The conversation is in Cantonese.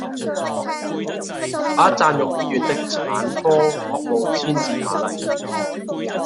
把贊育醫院的產科服務遷至瑪麗醫院